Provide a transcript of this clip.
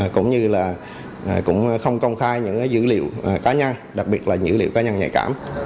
cũng như là cũng không công khai những dữ liệu cá nhân đặc biệt là dữ liệu cá nhân nhạy cảm